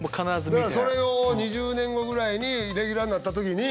だから２０年後ぐらいにレギュラーになった時に。